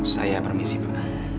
saya permisi pak